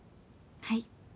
はい。